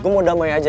gue mau damai aja